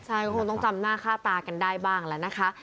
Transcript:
ใช่ก็คงต้องจำหน้าค่าตากันได้บ้างแล้วนะคะ